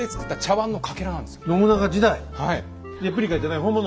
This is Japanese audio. レプリカじゃない本物？